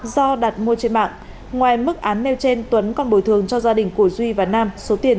do đặt mua trên mạng ngoài mức án nêu trên tuấn còn bồi thường cho gia đình của duy và nam số tiền